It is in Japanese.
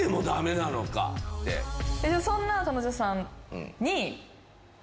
そんな彼女さんに。